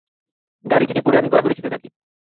গাড়ি থেকে পড়ে আমি গড়াগড়ি খেতে থাকি।